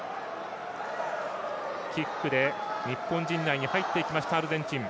キックで日本陣内に入ってきましたアルゼンチン。